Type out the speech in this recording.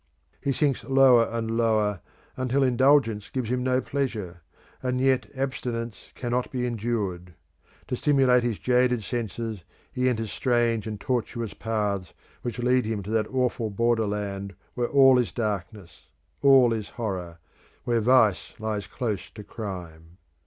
He sinks lower and lower until indulgence gives him no pleasure: and yet abstinence cannot be endured. To stimulate his jaded senses he enters strange and tortuous paths which lead him to that awful borderland where all is darkness, all is horror, where vice lies close to crime.